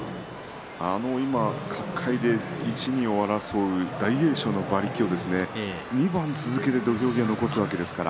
今、角界で１、２を争う大栄翔の馬力を２番続けて土俵際残すわけですから。